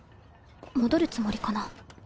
戻るつもりかな？